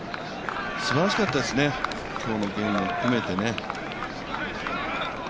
すばらしかったですね、今日のゲームを含めてね。